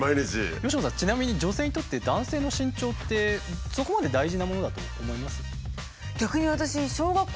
佳乃さんちなみに女性にとって男性の身長ってそこまで大事なものだと思います？